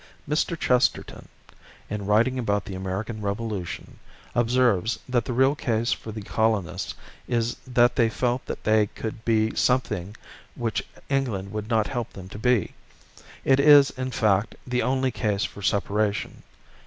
Mr. Chesterton, in writing about the American Revolution, observes that the real case for the colonists is that they felt that they could be something which England would not help them to be. It is, in fact, the only case for separation.